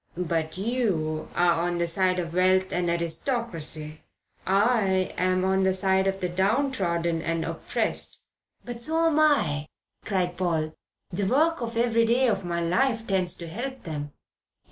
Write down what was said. But you are on the side of wealth and aristocracy. I am on the side of the downtrodden and oppressed." "But so am I," cried Paul. "The work of every day of my life tends to help them."